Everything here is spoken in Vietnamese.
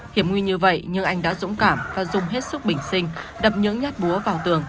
hiểm nguy như vậy nhưng anh đã dũng cảm và dùng hết sức bình sinh đập những nhát búa vào tường